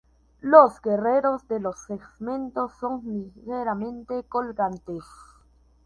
Los extremos de los segmentos son ligeramente colgantes.